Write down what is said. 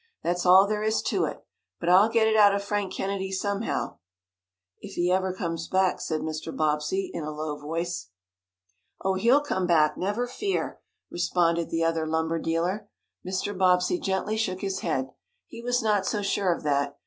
That's all there is to it. But I'll get it out of Frank Kennedy, somehow." "If he ever comes back," said Mr. Bobbsey, in a low voice. "Oh, he'll come back never fear!" responded the other lumber dealer. Mr. Bobbsey gently shook his head. He was not so sure of that.